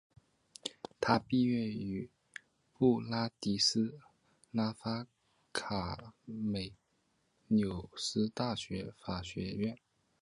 他毕业于布拉迪斯拉发夸美纽斯大学法学院。